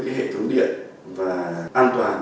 hệ thống điện và an toàn